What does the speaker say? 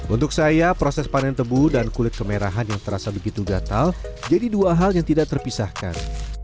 untuk saya proses panen tebu dan kulit kemerahan yang terasa begitu gatal jadi dua hal yang tidak terpisahkan